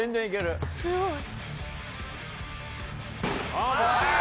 あっ、惜しい。